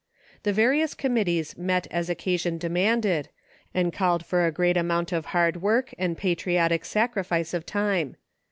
The various committees met as occasion demanded, and called for a great amount of hard work and pat riotic sacrifice of time.